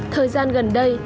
thời gian gần đây